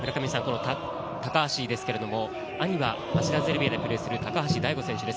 高橋ですけれど、兄は町田ゼルビアでプレーする高橋大悟選手です。